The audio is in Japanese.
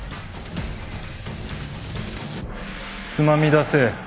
つまみ出せ。